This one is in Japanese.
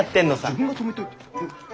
自分が止めといて。